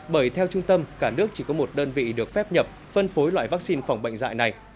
bởi theo trung tâm cả nước chỉ có một đơn vị được phép nhập phân phối loại vaccine phòng bệnh dạy này